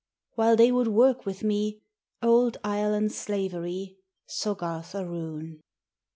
While they would work with me Old Ireland's slavery, Soggarth aroon.